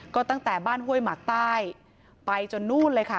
ก็ตั้งแต่บ้านห้วยหมักใต้ไปจนนู่นเลยค่ะ